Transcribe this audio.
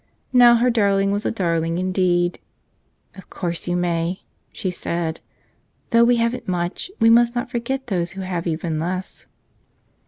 Now her darling was a darling indeed. "Of course, you may," she said. "Though we haven't much, we must not forget those who have even less."